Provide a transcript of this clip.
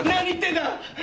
何言ってんだ！